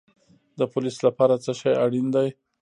د پولیس لپاره څه شی اړین دی؟